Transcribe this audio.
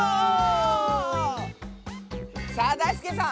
さあだいすけさん！